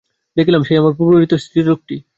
দেখিলাম, সেই আমার পূর্বপরিচিত স্ত্রীলোকটি।